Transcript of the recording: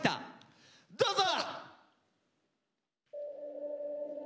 どうぞ！